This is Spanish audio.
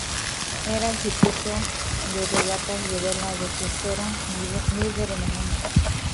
Era el circuito de regatas de vela de crucero líder en el mundo.